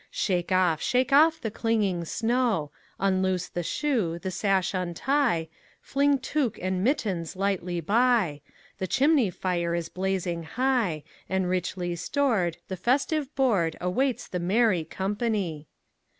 Shake off, shake off the clinging snow; Unloose the shoe, the sash untie, Fling tuque and mittens lightly by; The chimney fire is blazing high, And, richly stored, the festive boardAwaits the merry company.